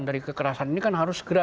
dari kekerasan ini kan harus segera